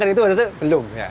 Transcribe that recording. kalau kita ajakkan itu belum